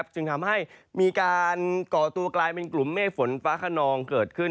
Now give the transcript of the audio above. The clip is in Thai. จึงทำให้มีการก่อตัวกลายเป็นกลุ่มเมฆฝนฟ้าขนองเกิดขึ้น